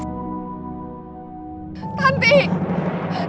jangan pergi sama mama